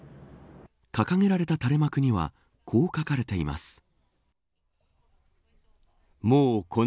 掲げられた垂れ幕にはこう書かれています。